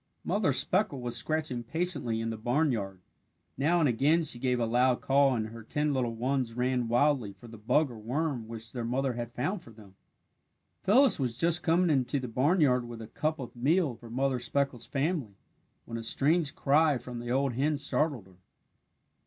Mother Speckle was scratching patiently in the barnyard. Now and again she gave a loud call and her ten little ones ran wildly for the bug or worm which their mother had found for them. Phyllis was just coming into the barnyard with a cup of meal for Mother Speckle's family, when a strange cry from the old hen startled her.